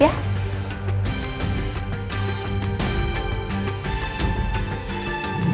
selamat tinggal bu